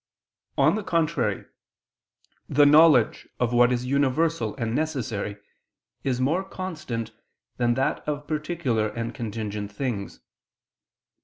On the contrary, The knowledge of what is universal and necessary is more constant than that of particular and contingent things.